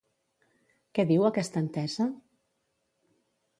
Què diu aquesta entesa?